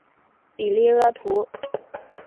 比里阿图。